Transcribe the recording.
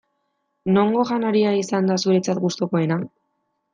Nongo janaria izan da zuretzat gustukoena?